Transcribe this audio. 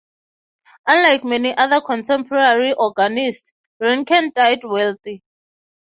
Unlike many other contemporary organists, Reincken died wealthy.